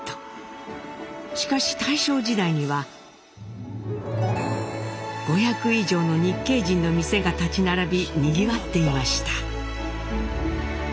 しかし大正時代には５００以上の日系人の店が立ち並びにぎわっていました。